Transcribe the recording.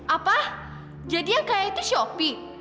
apa jadi yang kaya itu si opi